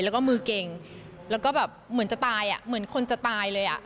แล้วก็มือเก่งแล้วก็แบบเหมือนจะตายอ่ะเหมือนคนจะตายเลยอ่ะ